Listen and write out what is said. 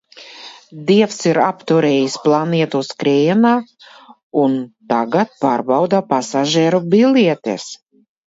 Dievs ir apturējis planētu skrējienā un tagad pārbauda pasažieru biļetes.